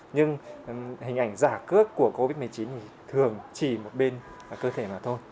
nhưng hình ảnh giả cước của covid một mươi chín thì thường chỉ một bên cơ thể nào thôi